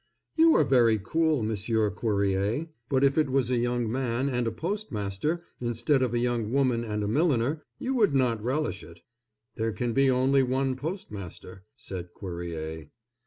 "You are very cool, Monsieur Cuerrier; but if it was a young man and a postmaster, instead of a young woman and a milliner, you would not relish it." "There can be only one postmaster," said Cuerrier.